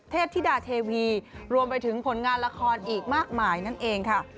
ธิดาเทวีรวมไปถึงผลงานละครอีกมากมายนั่นเองค่ะ